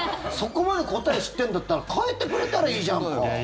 そこまで答えを知ってるんだったら変えてくれたらいいじゃんか！